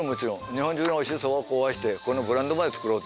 日本中のおいしいそばを交配してここのブランドそばを作ろうと。